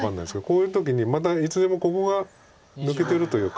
こういう時にまたいつでもここが抜けてるというか。